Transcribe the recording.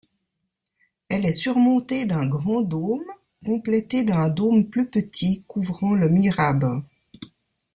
Elle est surmontée d'un grand dôme, complété d'un dôme plus petit couvrant le mihrab.